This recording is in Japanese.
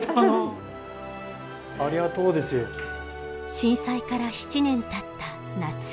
震災から７年たった夏。